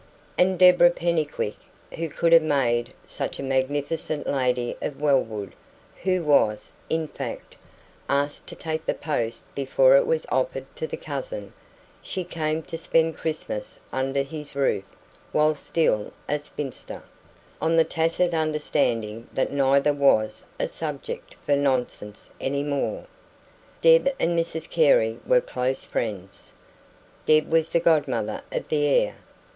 And Deborah Pennycuick, who would have made such a magnificent lady of Wellwood who was, in fact, asked to take the post before it was offered to the cousin she came to spend Christmas under his roof while still a spinster, on the tacit understanding that neither was a subject for "nonsense" any more. Deb and Mrs Carey were close friends. Deb was the godmother of the heir.